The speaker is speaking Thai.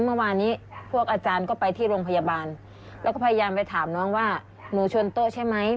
เมื่อวานนี้พวกอาจารย์ก็ไปที่โรงพยาบาลแล้วก็พยายามไปถามน้องว่าหนูชนโต๊ะใช่ไหม